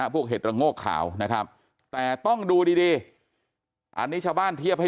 เห็ดระโงกขาวนะครับแต่ต้องดูดีอันนี้ชาวบ้านเทียบให้